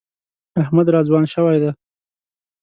احمد را ځوان شوی دی.